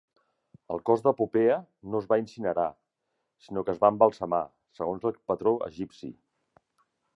El cos de Popea no es va incinerar, sinó que es va embalsamar, segons el patró egipci.